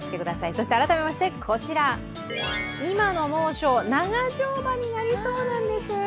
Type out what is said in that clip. そして改めましてこちら、今の猛暑、長丁場になりそうなんです。